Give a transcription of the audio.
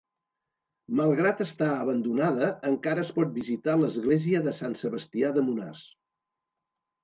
Malgrat estar abandonada, encara es pot visitar l'església de Sant Sebastià de Monars.